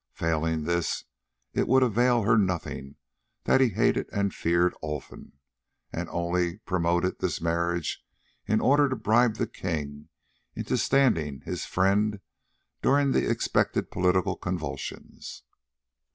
Failing this, it would avail her nothing that he hated and feared Olfan, and only promoted this marriage in order to bribe the king into standing his friend during the expected political convulsions.